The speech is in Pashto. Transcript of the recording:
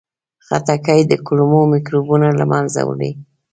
خټکی د کولمو میکروبونه له منځه وړي.